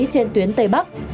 trên tuyến tây bắc